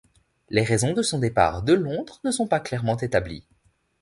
Les raisons de son départ de Londres ne sont pas clairement établies.